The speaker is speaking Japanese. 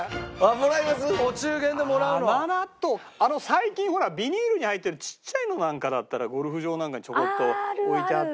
最近ほらビニールに入ってるちっちゃいのなんかだったらゴルフ場なんかにちょこっと置いてあったりするんだけど。